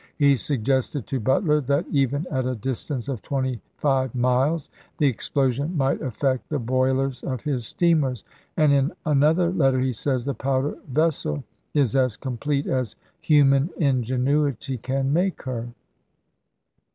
He suggested to Butler that Report even at a distance of 25 miles the explosion might ra conduct affect the boilers of his steamers ; and in another ° i864 65.ar' letter he says, " The powder vessel is as complete p. is. "' as human ingenuity can make her."